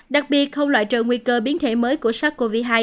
đặc biệt không loại trừ nguy cơ biến thể mới của sars cov hai